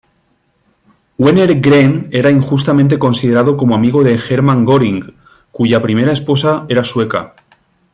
Wenner-Gren era injustamente considerado como amigo de Hermann Göring, cuya primera esposa era sueca.